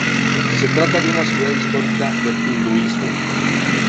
Se trata de una ciudad histórica del hinduismo.